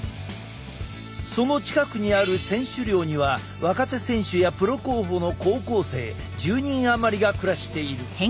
その近くにある選手寮には若手選手やプロ候補の高校生１０人余りが暮らしている。